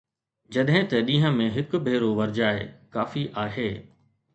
جڏهن ته ڏينهن ۾ هڪ ڀيرو ورجائي ڪافي آهي